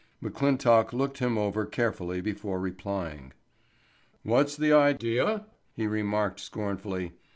McClintock looked him over carefully before replying. "What's the idea?" he remarked scornfully.